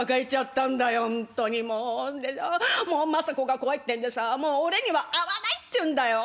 ほんとにもうそんでさ政子が怖いってんでさあもう俺には会わないって言うんだよ。